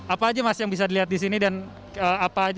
apa aja mas yang bisa dilihat disini dan apa aja yang bisa dilihat disini